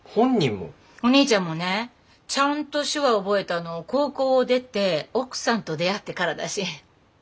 お兄ちゃんもねちゃんと手話覚えたの高校を出て奥さんと出会ってからだし。